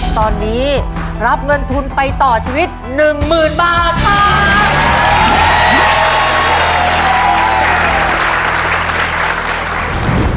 ตอนนี้รับเงินทุนไปต่อชีวิตหนึ่งหมื่นบาท